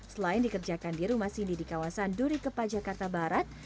selain dikerjakan di rumah cindy di kawasan duri kepa jakarta barat